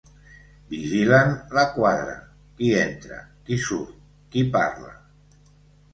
Vigilen la quadra, qui entra, qui surt, qui parla.